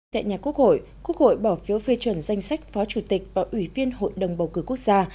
tại nhà quốc hội quốc hội bỏ phiếu phê chuẩn danh sách phó chủ tịch và ủy viên hội đồng bầu cử quốc gia